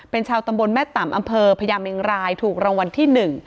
เป็นชาวตำบลแม่ต่ำอำเภอพญาเมงรายถูกรางวัลที่หนึ่ง